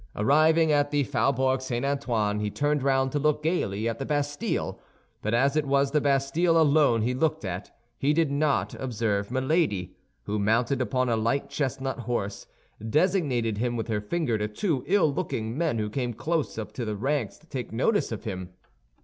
Arriving at the Faubourg St. Antoine, he turned round to look gaily at the Bastille; but as it was the Bastille alone he looked at, he did not observe Milady, who, mounted upon a light chestnut horse, designated him with her finger to two ill looking men who came close up to the ranks to take notice of him.